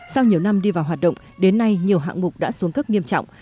sau nhiều năm đi vào hoạt động đến nay nhiều hạng mục đã xuống cấp nghiêm trọng